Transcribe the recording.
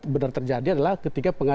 benar terjadi adalah ketiga